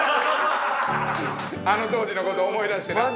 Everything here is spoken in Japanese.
あの当時の事を思い出してな。